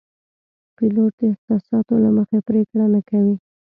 پیلوټ د احساساتو له مخې پرېکړه نه کوي.